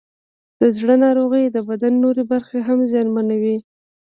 د زړه ناروغۍ د بدن نورې برخې هم زیانمنوي.